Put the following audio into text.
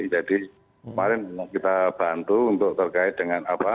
jadi kemarin kita bantu untuk terkait dengan apa